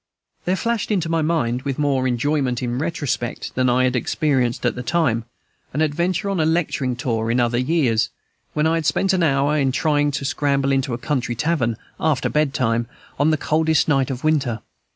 There flashed into my mind, with more enjoyment in the retrospect than I had experienced at the time, an adventure on a lecturing tour in other years, when I had spent an hour in trying to scramble into a country tavern, after bed time, on the coldest night of winter.